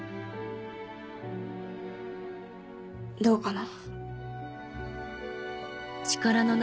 どうかな？